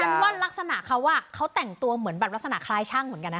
ฉันว่ารักษณะเขาเขาแต่งตัวเหมือนแบบลักษณะคล้ายช่างเหมือนกันนะ